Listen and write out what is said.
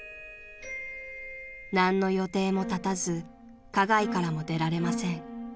［何の予定も立たず花街からも出られません］